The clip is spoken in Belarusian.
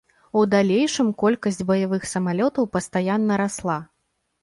У далейшым колькасць баявых самалётаў пастаянна расла.